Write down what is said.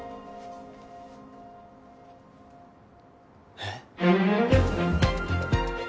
えっ？